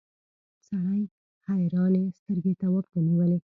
سړي حیرانې سترګې تواب ته نیولې.